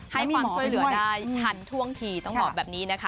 ให้ความช่วยเหลือได้ทันท่วงทีต้องบอกแบบนี้นะคะ